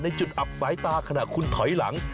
จุดอับสายตาขณะคุณถอยหลัง